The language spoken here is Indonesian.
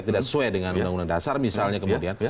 tidak sesuai dengan undang undang dasar misalnya kemudian